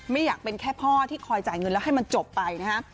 ไม่อยากเป็นแค่พ่อที่คอยจ่ายเงินแล้วให้มันจบไปนะฮะ